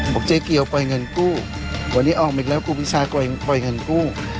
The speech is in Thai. บอกเจ๊เกียวปล่อยเงินกู้วันนี้ออกอีกแล้วกูพิชาปล่อยเงินกู้